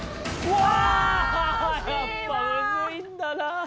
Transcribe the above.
わあやっぱむずいんだな。